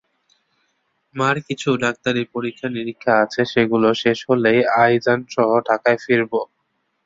মার কিছু ডাক্তারি পরীক্ষা-নিরীক্ষা আছে, সেগুলো শেষ হলেই আইজানসহ ঢাকায় ফিরব।